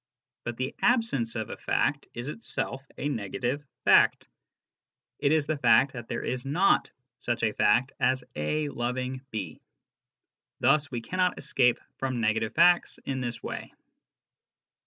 But the absence of a fact is itself a negative fact; it is the fact that there is not such a fact as A loving B. Thus, we cannot escape from negative facts in this way.